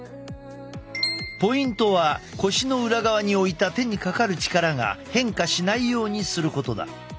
ポイントは腰の裏側に置いた手にかかる力が変化しないようにすることだ。